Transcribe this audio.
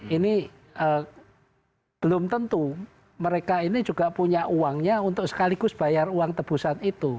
ini belum tentu mereka ini juga punya uangnya untuk sekaligus bayar uang tebusan itu